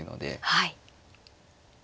はい。